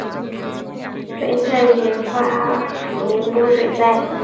菲特引发宁波水灾。